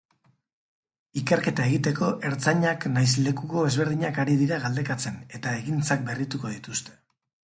Ikerketa egiteko ertzainak nahiz lekuko ezberdinak ari dira galdekatzen eta egintzak berrituko dituzte.